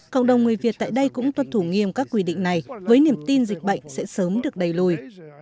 cộng đồng người việt tại đây cũng tuân thủ nghiêm các quy định này với niềm tin dịch bệnh sẽ sớm được đẩy lùi